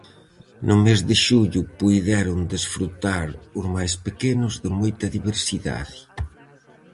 No mes de xullo puideron desfrutar os máis pequenos de moita diversidade: